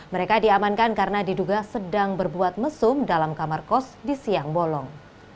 mereka diamankan karena diduga sedang berbuat mesum dalam kamar kos di siang bolong